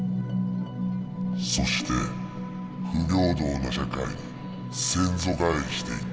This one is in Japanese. そして不平等な社会に先祖返りしていった。